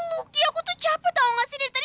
luki aku tuh capek tau nggak sih dari tadi